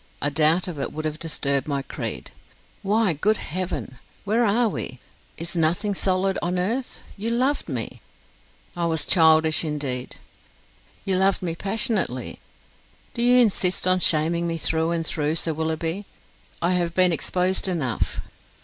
A doubt of it would have disturbed my creed. Why, good heaven! where are we? Is nothing solid on earth? You loved me!" "I was childish, indeed." "You loved me passionately!" "Do you insist on shaming me through and through, Sir Willoughby? I have been exposed enough."